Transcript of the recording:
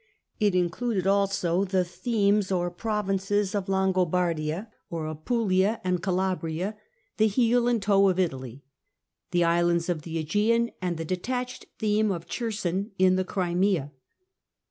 It included also the " Themes " or provinces of " Langobardia " or Apulia and Calabria, the " heel and toe " of Italy, the islands of the ^Egean, and the detached theme of Cherson in the Crimea.